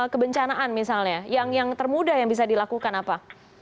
kebencanaan misalnya yang termudah yang bisa dilakukan apa